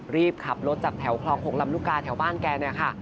รีบขับรถจากแถวคลองหงลำลูกกาแถวบ้านแกเนี่ยค่ะ